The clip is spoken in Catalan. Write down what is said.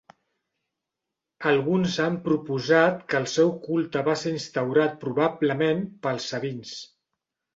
Alguns han proposat que el seu culte va ser instaurat probablement pels sabins.